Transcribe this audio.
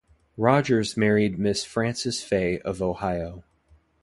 Rodgers married Miss Frances Fay of Ohio.